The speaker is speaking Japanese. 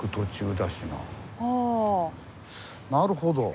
なるほど。